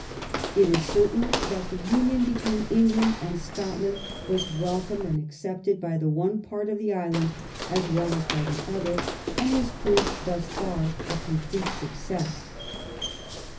It is certain that the union between England and Scotland was welcomed and accepted by the one part of the island as well as by the other, and has proved thus far a complete suc cess.